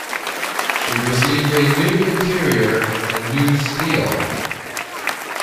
She received a new interior, and new steel.